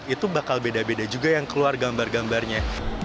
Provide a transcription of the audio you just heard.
itu bakal beda beda juga yang keluar gambar gambarnya